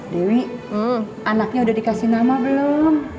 dewi anaknya udah dikasih nama belum